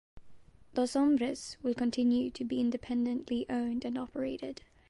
Dos Hombres will continue to be independently owned and operated.